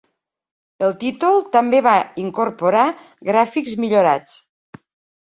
El títol també va incorporar gràfics millorats.